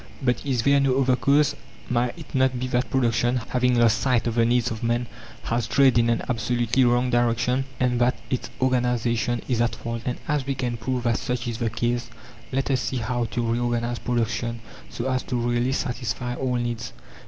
But is there no other cause? Might it not be that production, having lost sight of the needs of man, has strayed in an absolutely wrong direction, and that its organization is at fault? And as we can prove that such is the case, let us see how to reorganize production so as to really satisfy all needs.